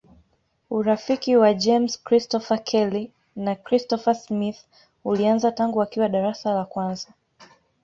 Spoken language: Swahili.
Urafiki wa James Christopher Kelly na Christopher Smith ulianza tangu wakiwa darasa la kwanza.